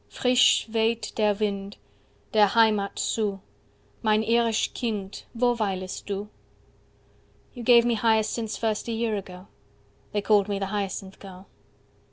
30 Frisch weht der Wind Der Heimat zu, Mein Irisch Kind, Wo weilest du? "You gave me hyacinths first a year ago; 35 They called me the hyacinth girl."